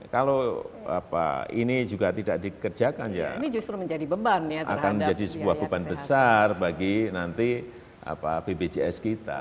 kalau ini juga tidak dikerjakan ya justru akan menjadi sebuah beban besar bagi nanti bpjs kita